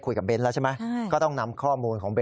๑๒๐๐ครั้ง